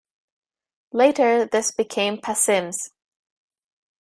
Later, this became Passim's.